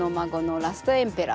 ラストエンペラー？